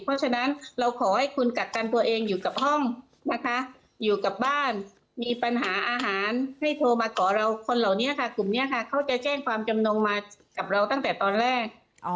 เพราะฉะนั้นเราขอให้คุณกักกันตัวเองอยู่กับห้องนะคะอยู่กับบ้านมีปัญหาอาหารให้โทรมาขอเราคนเหล่านี้ค่ะกลุ่มนี้ค่ะเขาจะแจ้งความจำนงมากับเราตั้งแต่ตอนแรก